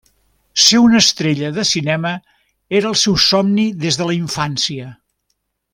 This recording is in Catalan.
Ser una estrella de cinema era el seu somni des de la infància.